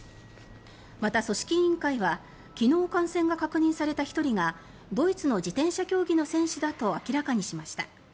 また、組織委員会は昨日感染が確認された１人がドイツの自転車競技の選手だと明らかにしました。